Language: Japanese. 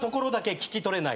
聞き取れない。